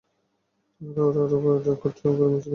আরে ওরা রেকর্ড রুমে চলে গেছে।